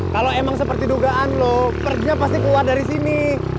kalo emang seperti dugaan lo perginya pasti keluar dari sini